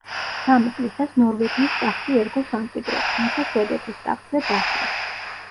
სამი წლისას ნორვეგიის ტახტი ერგო სამკვიდროდ, თუმცა შვედეთის ტახტზე დასვეს.